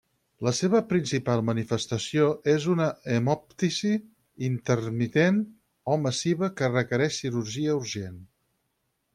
La seva principal manifestació és una hemoptisi intermitent o massiva que requereix cirurgia urgent.